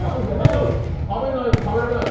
食べられないの？